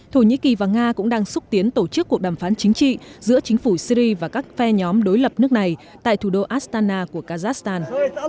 thổ nhĩ kỳ và nga cũng đang xúc tiến tổ chức cuộc đàm phán chính trị giữa chính phủ syri và các phe nhóm đối lập nước này tại thủ đô astana của kazakhstan